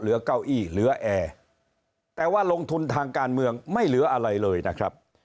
เก้าอี้เหลือแอร์แต่ว่าลงทุนทางการเมืองไม่เหลืออะไรเลยนะครับ